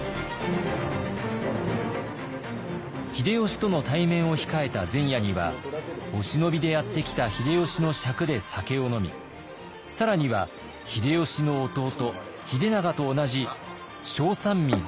秀吉との対面を控えた前夜にはお忍びでやって来た秀吉の酌で酒を飲み更には秀吉の弟秀長と同じ正三位権